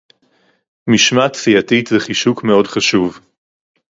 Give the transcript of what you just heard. משמעת סיעתית זה חישוק מאוד חשוב